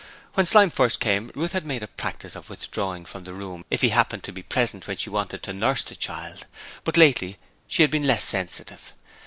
When Slyme first came Ruth had made a practice of withdrawing from the room if he happened to be present when she wanted to nurse the child, but lately she had been less sensitive.